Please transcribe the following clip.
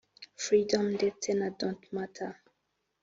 freedom ndetse na don’t matter)